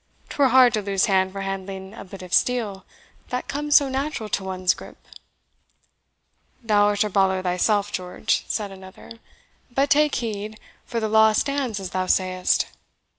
'twere hard to lose hand for handling a bit of steel, that comes so natural to one's gripe." "Thou art a brawler thyself, George," said another; "but take heed, for the law stands as thou sayest."